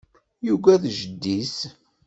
Yugad jeddi-s.